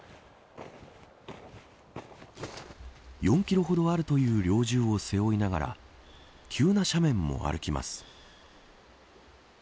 ４キロほどあるという猟銃を背負いながら急な斜面も歩きます。